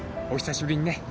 お久しぶりにね。